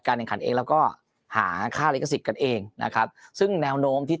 แข่งขันเองแล้วก็หาค่าลิขสิทธิ์กันเองนะครับซึ่งแนวโน้มที่